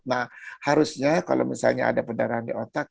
nah harusnya kalau misalnya ada pendarahan di otak